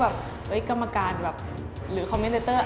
เฮ้ยกรรมการหรือคอมเมนเตอร์